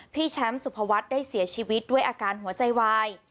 พี่แชมป์สุภวัฒน์ได้เสียชีวิตด้วยอาการหัวใจวาย